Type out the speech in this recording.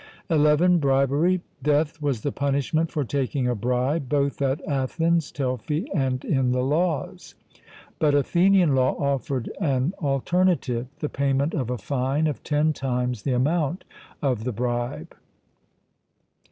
(11) Bribery. Death was the punishment for taking a bribe, both at Athens (Telfy) and in the Laws; but Athenian law offered an alternative the payment of a fine of ten times the amount of the bribe.